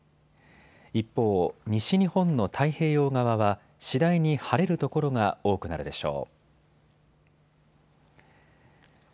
一方、西日本の太平洋側は次第に晴れる所が多くなるでしょう。